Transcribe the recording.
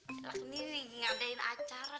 elah gini ngadain acara